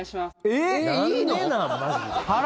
えっ？